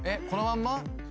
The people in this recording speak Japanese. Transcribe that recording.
このまんま？